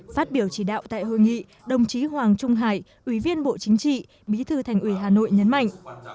phát biểu chỉ đạo tại hội nghị đồng chí hoàng trung hải ủy viên bộ chính trị bí thư thành ủy hà nội nhấn mạnh